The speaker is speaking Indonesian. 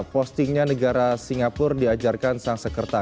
postingnya negara singapura diajarkan sang sekreta